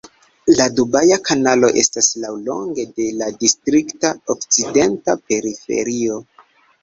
La Dubaja Kanalo estas laŭlonge de la distrikta okcidenta periferio.